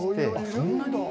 そんなに？